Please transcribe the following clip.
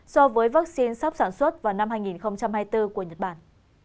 so với vắc xin sắp sản xuất vào năm hai nghìn hai mươi bốn của nhật bản